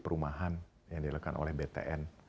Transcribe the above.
perumahan yang dilakukan oleh btn